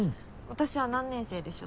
私何年生でしょう。